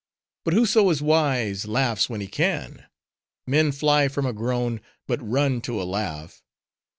But whoso is wise, laughs when he can. Men fly from a groan; but run to a laugh.